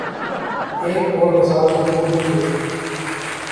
ایک اور مثال تو بھول ہی گیا۔